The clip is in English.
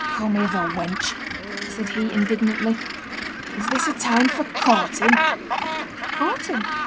'Come hither, wench,' said he, indignantly; 'is this a time for courtin'?' 'Courting?'